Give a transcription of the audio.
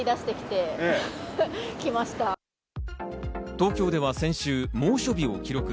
東京では先週、猛暑日を記録。